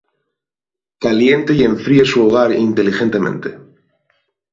Caliente y enfríe su hogar inteligentemente